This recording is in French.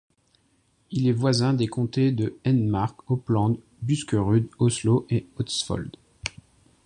Il est voisin des comtés de Hedmark, Oppland, Buskerud, Oslo et Østfold.